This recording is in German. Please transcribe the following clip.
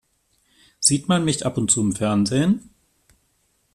Sieht man mich ab und zu im Fernsehen?